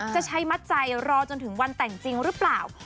จะใช้มัดใจรอจนถึงวันแต่งจริงหรือเปล่า